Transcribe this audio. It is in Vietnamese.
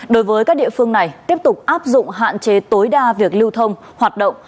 đối với các địa phương này tiếp tục áp dụng hạn chế tối đa việc lưu thông hoạt động